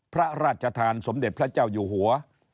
พระราชทานสมเด็จพระเจ้าอยู่หัว